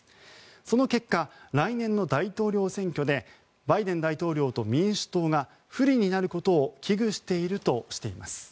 その結果、来年の大統領選挙でバイデン大統領と民主党が不利になることを危惧しているとしています。